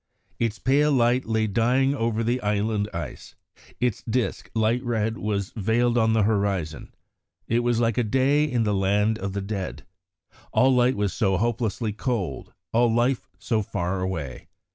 "Its pale light lay dying over the 'inland ice'; its disc, light red, was veiled on the horizon; it was like a day in the land of the dead. All light was so hopelessly cold; all life so far away.